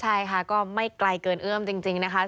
ใช่ค่ะก็ไม่ไกลเกินเอื้อมจริงนะคะ